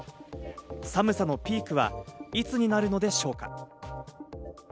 寒さのピークはいつになるのでしょうか？